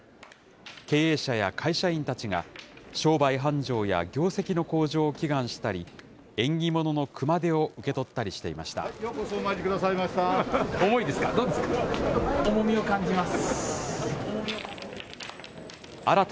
経営者や会社員たちが、商売繁盛や業績の向上を祈願したり、縁起物の熊手を受け取ったりしていました。